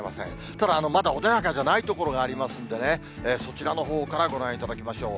ただ、まだ穏やかじゃない所がありますんでね、そちらのほうからご覧いただきましょう。